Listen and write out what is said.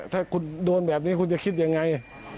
ถ้าคุณโดนแบบนี้คุณจะคิดยังไง